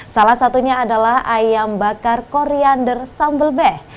salah satunya adalah ayam bakar koriander sambal beh